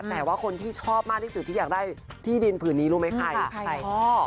แต่ว่าคนที่ชอบมากที่สุดที่อยากได้ที่ดินผืนนี้รู้ไหมใครใคร